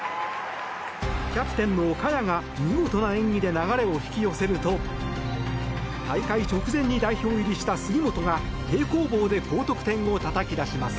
キャプテンの萱が見事な演技で流れを引き寄せると大会直前に代表入りした杉本が平行棒で高得点をたたき出します。